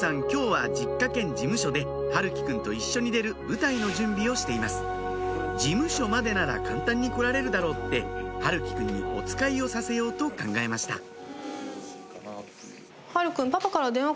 今日は実家兼事務所で陽喜くんと一緒に出る舞台の準備をしています事務所までなら簡単に来られるだろうって陽喜くんにおつかいをさせようと考えましたはるくん。